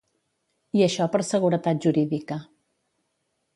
I això per seguretat jurídica.